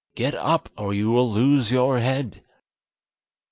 "Get up, or you will lose your head."